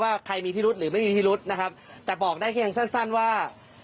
ว่าใครมีพิรุษหรือไม่มีพิรุษนะครับแต่บอกได้เพียงสั้นสั้นว่า